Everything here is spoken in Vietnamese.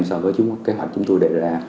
so với kế hoạch chúng tôi đề ra